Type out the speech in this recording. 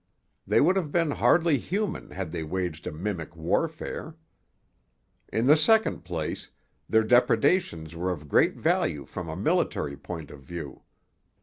They would have been hardly human had they waged a mimic warfare. In the second place, their depredations were of great value from a military point of view.